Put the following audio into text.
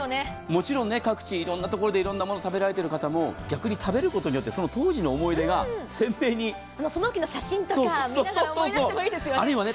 もちろん、各地いろんなところでいろんなものを食べられている方も逆に食べることによって、その当時の思い出が鮮明に思い出してもいいですよね。